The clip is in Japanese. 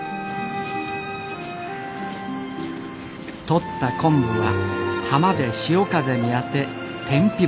とった昆布は浜で潮風に当て天日干し。